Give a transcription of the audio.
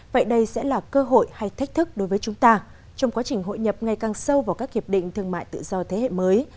vậy đây sẽ là cơ hội hay thách thức đối với chúng ta trong quá trình hội nhập ngày càng sâu vào các hiệp định thương mại tự do thế hệ mới